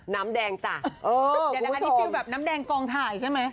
น้ำแดงจ้ะเออคุณผู้ชมน้ำแดงฟองถ่ายใช่ไหม